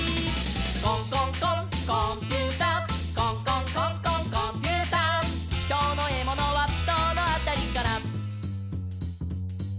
「コンコンコンコンピューター」「コンコンコンコンコンピューター」「きょうのエモノはどのあたりかな」